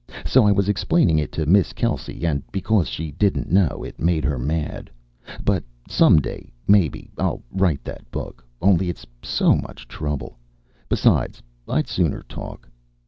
So I was explaining it to Miss Kelsey, and, because she didn't know, it made her mad. But some day, mebbe, I'll write that book. Only it's so much trouble. Besides, I'd sooner talk.